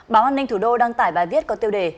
báo an ninh thủ đô đăng tải bài viết có tiêu đề